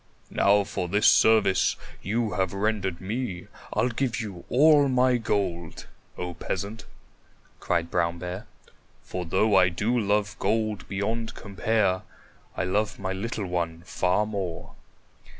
"Now for this service you have rendered me, I'll give you all my gold, O Peasant," cried Brown Bear. "For though I do love gold beyond compare, I love my little one far more."